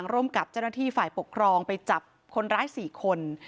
ร่วมกับเจ้าหน้าที่ฝ่ายปกครองไปจับคนร้าย๔คน